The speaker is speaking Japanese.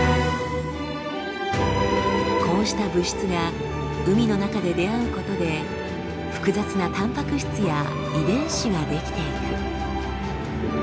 こうした物質が海の中で出会うことで複雑なたんぱく質や遺伝子が出来ていく。